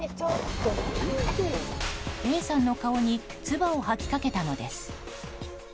Ａさんの顔につばを吐きかけたのです。